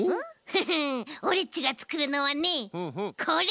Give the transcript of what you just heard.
フフオレっちがつくるのはねこれ。